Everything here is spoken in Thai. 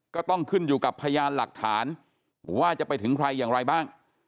ก็ต้องขึ้นอยู่กับพยานหลักฐานว่าจะไปถึงใครอย่างไรบ้าง